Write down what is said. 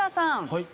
はい。